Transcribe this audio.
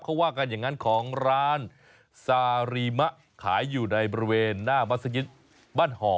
เขาว่ากันอย่างนั้นของร้านซารีมะขายอยู่ในบริเวณหน้ามัศยิตบ้านห่อ